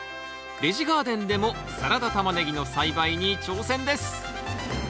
ベジガーデンでもサラダタマネギの栽培に挑戦です！